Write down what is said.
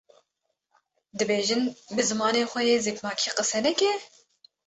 dibêjin bi zimanê xwe yê zikmakî qise neke?